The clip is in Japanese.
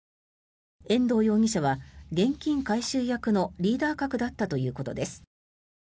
遠藤容疑者は現金回収役のリーダー格だったということです。